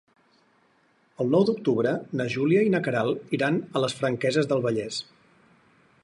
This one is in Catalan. El nou d'octubre na Júlia i na Queralt iran a les Franqueses del Vallès.